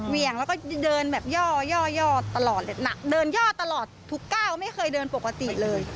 เหวี่ยงแล้วก็เดินแบบย่อตลอดเลยหนักเดินย่อตลอดทุกก้าวไม่เคยเดินปกติเลย